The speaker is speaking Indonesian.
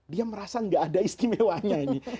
dia merasa nggak ada istimewanya ini